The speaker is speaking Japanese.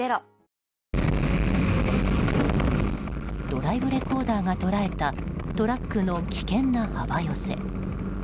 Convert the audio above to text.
ドライブレコーダーが捉えたトラックの危険な幅寄せ。